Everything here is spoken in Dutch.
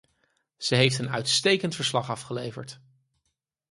Ze heeft een uitstekend verslag afgeleverd.